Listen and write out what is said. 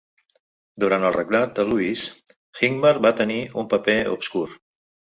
Durant el regnat de Louis, Hincmar va tenir un paper obscur.